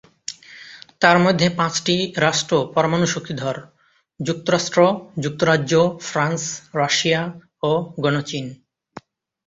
তার মধ্যে পাঁচটি রাষ্ট্র পরমাণু শক্তিধর: যুক্তরাষ্ট্র, যুক্তরাজ্য, ফ্রান্স, রাশিয়া ও গণচীন।